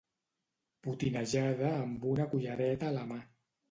Potinejada amb una cullereta a la mà.